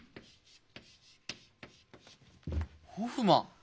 ホフマン？